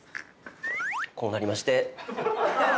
こうなりまして。